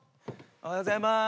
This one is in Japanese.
おはようございまーす。